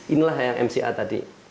inilah yang mca tadi